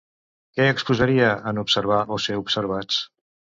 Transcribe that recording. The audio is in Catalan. Què exposaria en Observar o ser observats?